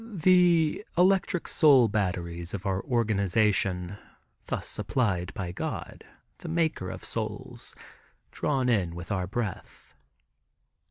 The electric soul batteries of our organism thus supplied by God, the maker of souls, drawn in with our breath."